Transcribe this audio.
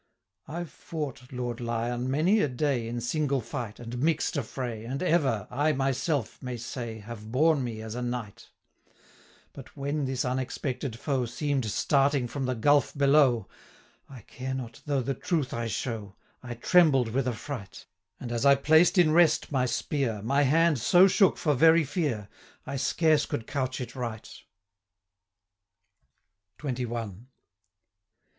I've fought, Lord Lion, many a day, 410 In single fight, and mix'd affray, And ever, I myself may say, Have borne me as a knight; But when this unexpected foe Seem'd starting from the gulf below, 415 I care not though the truth I show, I trembled with affright; And as I placed in rest my spear, My hand so shook for very fear, I scarce could couch it right. 420 XXI.